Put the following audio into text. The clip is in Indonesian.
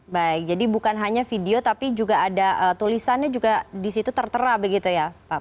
baik jadi bukan hanya video tapi juga ada tulisannya juga di situ tertera begitu ya pak